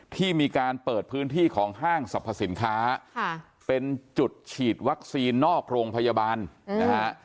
ที่มีการเปิดพื้นที่ของห้างสรรพสินค้าเป็นจุดฉีดวัคซีนนอกโรงพยาบาลนะฮะ